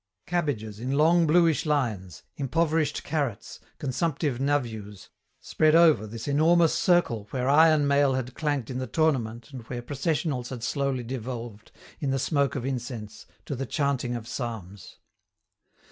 Cabbages, in long bluish lines, impoverished carrots, consumptive navews, spread over this enormous circle where iron mail had clanked in the tournament and where processionals had slowly devolved, in the smoke of incense, to the chanting of psalms.